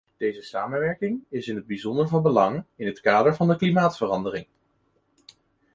Deze samenwerking is in het bijzonder van belang in het kader van de klimaatverandering.